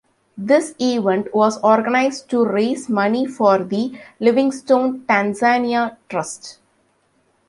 This event was organised to raise money for the Livingstone Tanzania Trust.